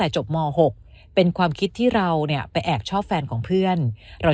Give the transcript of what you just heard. จบม๖เป็นความคิดที่เราไปแอบชอบแฟนของเพื่อนเรา